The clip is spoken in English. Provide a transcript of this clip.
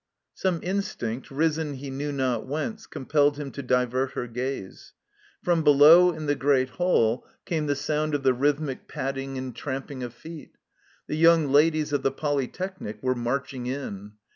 Some instinct, risen he knew not whence, compelled him to divert her gaze. From below in the great halt came the sotmd of the rhythmic padding and tramping of feet. The Young Ladies of the Poljrtechnic were marching in.